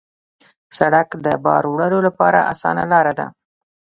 سړک د بار وړلو لپاره اسانه لاره ده.